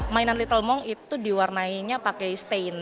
mainan little mong itu diwarnainya pakai stain